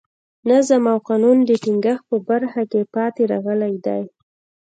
د نظم او قانون د ټینګښت په برخه کې پاتې راغلي دي.